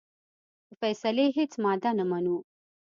د فیصلې هیڅ ماده نه منو.